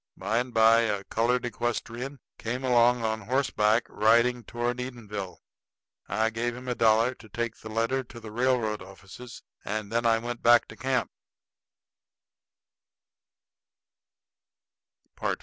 By and by a colored equestrian came along on horseback, riding toward Edenville. I gave him a dollar to take the letter to the railroad offices; and then I went back to camp.